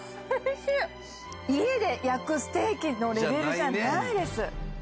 家で焼くステーキのレベルじゃないです。